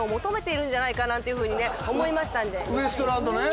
ウエストランドね。